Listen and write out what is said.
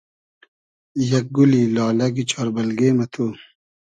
یئگ گولی لالئگی چار بئلگې مہ تو